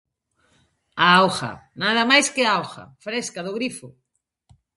A augha, nada máis que augha, fresca, do grifo.